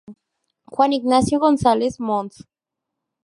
Juan Ignacio González, Mons.